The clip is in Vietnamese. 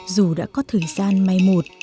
dù đã có thời gian may một